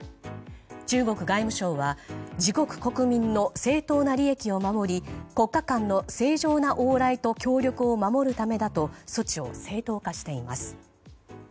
中国外務省は自国国民の正当な利益を守り国家間の正常な往来と協力を守るためだと措置を正当化しています。